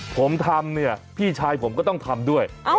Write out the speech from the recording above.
ผมทำเนี่ยพี่ชายผมก็ต้องทำด้วย